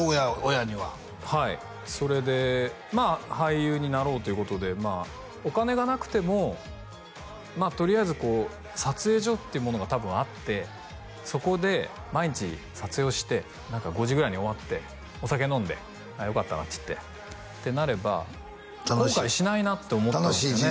親にははいそれで俳優になろうということでお金がなくてもとりあえずこう撮影所っていうものが多分あってそこで毎日撮影をして５時ぐらいに終わってお酒飲んでああよかったなって言ってってなれば後悔しないなって思ったんですよね